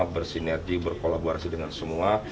bersinergi berkolaborasi dengan semua